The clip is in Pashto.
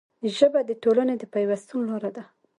ژبه د ټولنې د پیوستون لاره ده